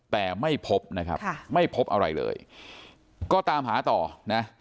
แต่ไม่พบนะครับไม่พบอะไรเลยก็ตามหาต่อนะ